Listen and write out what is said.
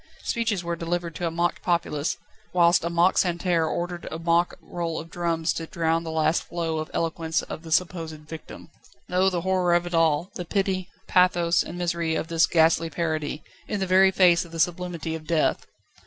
Speeches were delivered to a mock populace, whilst a mock Santerre ordered a mock roll of drums to drown the last flow of eloquence of the supposed victim. Oh! the horror of it all the pity, pathos, and misery of this ghastly parody, in the very face of the sublimity of death!